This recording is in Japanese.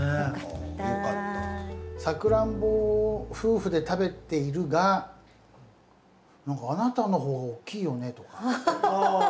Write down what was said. さくらんぼを夫婦で食べているが「何かあなたの方が大きいよね？」とか。